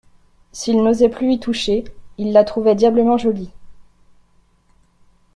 S'il n'osait plus y toucher, il la trouvait diablement jolie.